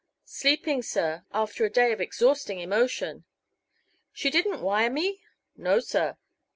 "Sleeping, sir, after a day of exhausting emotion." "She didn't wire me?" "No, sir."